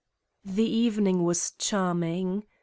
The evening was charming.